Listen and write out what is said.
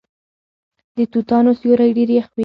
د توتانو سیوری ډیر یخ وي.